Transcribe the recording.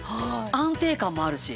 安定感もあるし。